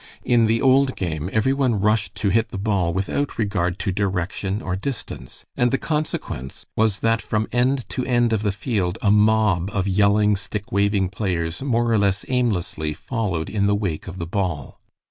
In the old game every one rushed to hit the ball without regard to direction or distance, and the consequence was, that from end to end of the field a mob of yelling, stick waving players more or less aimlessly followed in the wake of the ball.